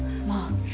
まあ。